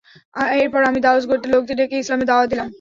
এরপর আমি দাউস গোত্রের লোকদের ডেকে ইসলামের দাওয়াত দিলাম।